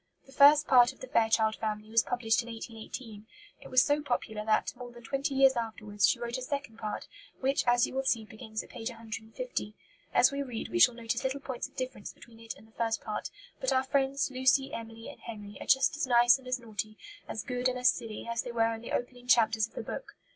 The first part of the Fairchild Family was published in 1818. It was so popular that, more than twenty years afterwards, she wrote a second part, which, as you will see, begins at p. 150. As we read we shall notice little points of difference between it and the first part; but our friends, Lucy, Emily, and Henry are just as nice and as naughty, as good and as silly, as they were in the opening chapters of the book.